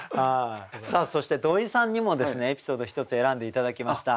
そして土井さんにもエピソード１つ選んで頂きました。